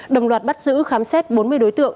đồng loạt bắt giữ khám xét bốn mươi đối tượng